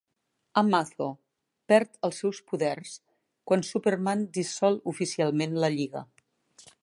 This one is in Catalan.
Amazo perd els seus poders quan Superman dissol oficialment la lliga.